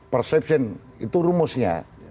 perception itu rumusnya